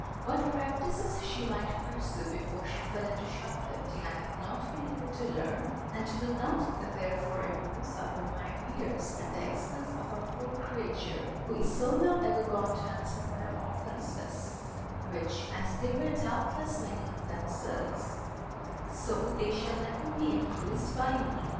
What practices she might pursue before she fell into shoplifting I have not been able to learn, and will not therefore impose upon my readers at the expense of a poor creature, who is so long ago gone to answer for her offences, which, as they were doubtless many of themselves, so they shall never be increased by me.